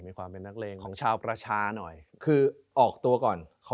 มีความคิดเห็นทางการเมือง